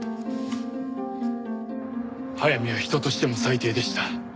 速水は人としても最低でした。